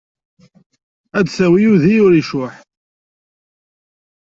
Ad d-tawi udi ur icuḥ.